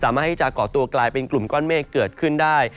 สามารถที่จะก่อตัวกลายเป็นกลุ่มก้อนเมฆเกิดขึ้นได้